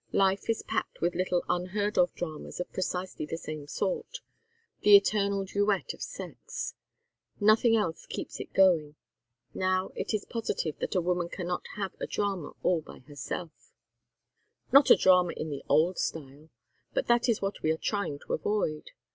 Life is packed with little unheard of dramas of precisely the same sort the eternal duet of sex; nothing else keeps it going. Now, it is positive that a woman cannot have a drama all by herself " "Not a drama in the old style. But that is what we are trying to avoid.